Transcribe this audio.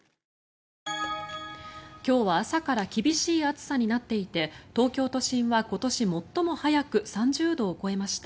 今日は朝から厳しい暑さになっていて東京都心は今年最も早く３０度を超えました。